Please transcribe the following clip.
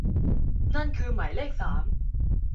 นั่นคือหมายเลขสาม